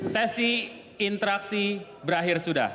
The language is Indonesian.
sesi interaksi berakhir sudah